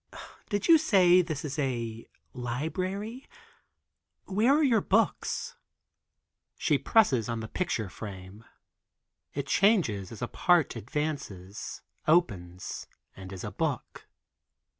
"Did you say this is a library, where are the books?" She presses on the picture frame; it changes as a part advances, opens and is a book.